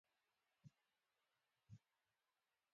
څلورم کس له وړاندې استعفا کړې وه.